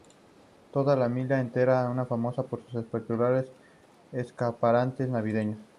Toda la milla entera es famosa por sus espectaculares escaparates navideños.